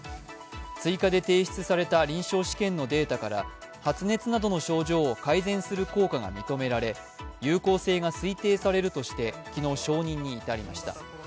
追加で提出された臨床試験のデータから発熱などの症状を改善する効果が認められ有効性が推定されるとして昨日、承認に至りました。